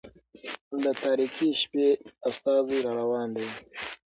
د تاريكي شپې استازى را روان دى